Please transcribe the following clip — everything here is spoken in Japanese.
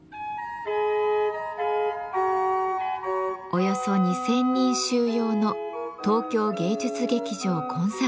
およそ２，０００人収容の東京芸術劇場コンサートホール。